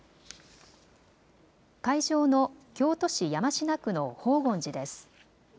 会場の京都市山科区の法嚴寺です。